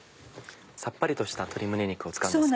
さっぱりとした鶏胸肉を使うんですね。